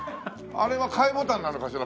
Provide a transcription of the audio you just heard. あれは貝ボタンなのかしら？